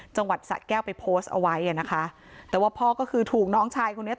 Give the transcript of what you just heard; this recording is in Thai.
จังหวัดสะแก้วไปโพสต์เอาไว้อ่ะนะคะแต่ว่าพ่อก็คือถูกน้องชายคนนี้